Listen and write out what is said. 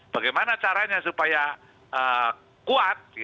bagaimana caranya supaya kuat